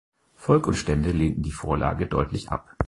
Volk und Stände lehnten die Vorlage deutlich ab.